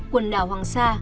quần đảo hoàng sa